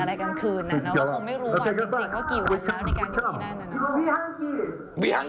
ว่าเราไม่รู้ว่านั้นจริงกี่วันในการอยู่ที่ด้านนั้น